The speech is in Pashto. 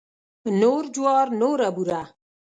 نور جوار نوره بوره.